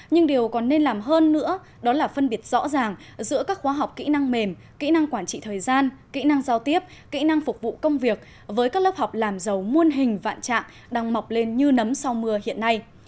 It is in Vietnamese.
nhưng điều còn nên làm hơn nữa đó là phân biệt rõ ràng giữa các khóa học kỹ năng mềm kỹ năng quản trị thời gian kỹ năng giao tiếp kỹ năng phục vụ công việc với các lớp học làm giàu muôn hình vạn trạng đang mọc lên như nấm sau mưa hiện nay